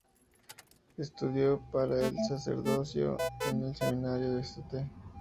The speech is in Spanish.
Estudió para el sacerdocio en el Seminario de St.